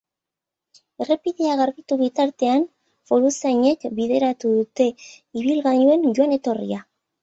Errepidea garbitu bitartean, foruzainek bideratu dute ibilgailuen joan-etorria.